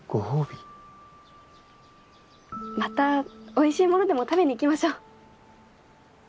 またおいしいものでも食べに行きましょう。